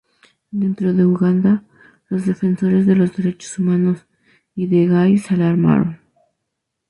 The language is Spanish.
Dentro de Uganda, los defensores de los derechos humanos y de gais se alarmaron.